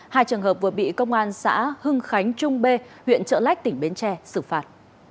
hai trường hợp vừa bị công an xã hưng khánh trung b huyện trợ lách tỉnh bến tre xử phạt